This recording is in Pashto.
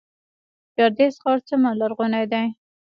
ګردیز ښار څومره لرغونی دی؟